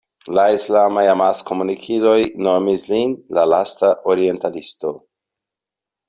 La islamaj amaskomunikiloj nomis lin "la lasta orientalisto".